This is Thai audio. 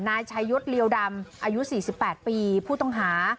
นายชายศรียาวดำอายุสี่สิบแปดปีผู้ต้องหา